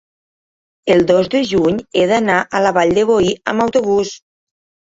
el dos de juny he d'anar a la Vall de Boí amb autobús.